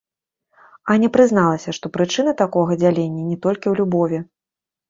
Аня прызналася, што прычына такога дзялення не толькі ў любові.